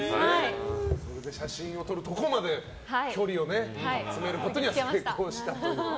それで写真を撮るところまで距離を詰めることには成功したという。